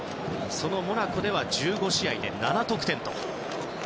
モナコでは１５試合で７得点。